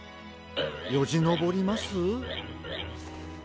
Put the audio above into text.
よじのぼります？